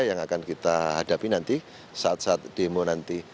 yang akan kita hadapi nanti saat saat demo nanti